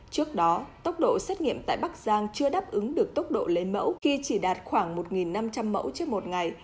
trước đó tốc độ xét nghiệm tại bắc giang chưa đáp ứng được tốc độ lấy mẫu khi chỉ đạt khoảng một năm trăm linh mẫu trước một ngày